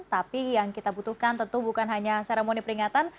tapi yang kita butuhkan tentu bukan hanya seremoni peringatan